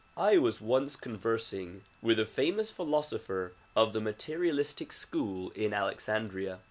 I was once conversing with a famous philosopher of the ma terialistic school in Alexandria.